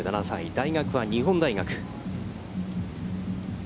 大学は日本大学。